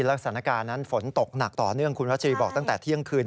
และสถานการณ์นั้นฝนตกหนักต่อเนื่องคุณวัชรีบอกตั้งแต่เที่ยงคืน